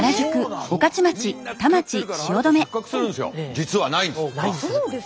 実はないんです。